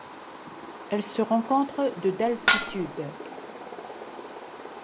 Elle se rencontre de d'altitude.